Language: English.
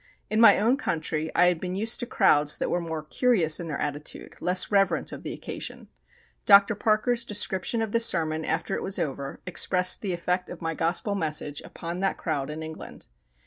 In my own country I had been used to crowds that were more curious in their attitude, less reverent of the occasion. Dr. Parker's description of the sermon after it was over expressed the effect of my Gospel message upon that crowd in England.